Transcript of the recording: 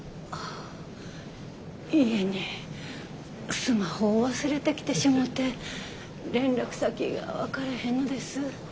家にスマホを忘れてきてしもて連絡先が分かれへんのです。